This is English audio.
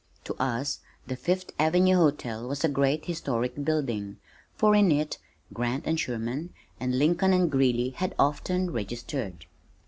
To us the Fifth Avenue Hotel was a great and historic building, for in it Grant and Sherman and Lincoln and Greeley had often registered.